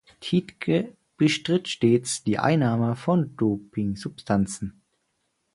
Tiedtke bestritt stets die Einnahme von Dopingsubstanzen.